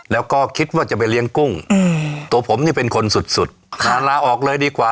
แล้วก็คิดว่าจะไปเลี้ยงกุ้งตัวผมนี่เป็นคนสุดสุดลาออกเลยดีกว่า